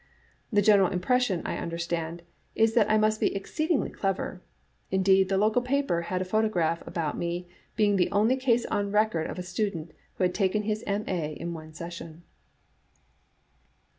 The general im pression, I understand, is that I must be exceedingly clever ; indeed, the local paper had a paragraph about my being the only case on record of a student who had taken his M.A. in one session.